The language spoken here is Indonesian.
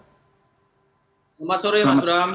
selamat sore mas bram